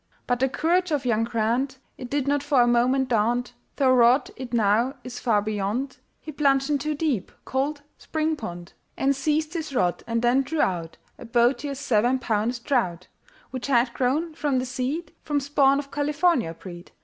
But the courage of young Grant, It did not for a moment daunt, Though rod it now is far beyond, He plunged into deep, cold spring pond. And seized his rod and then drew out A beauteous seven pound trout, Which had grown from the seed From spawn of California breed.